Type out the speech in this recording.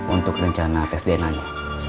untuk rencana tes dna nya